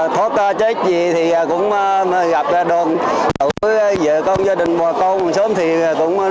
thốt chết gì thì cũng gặp ra đồn với vợ con gia đình bà con xóm thì cũng rất mừng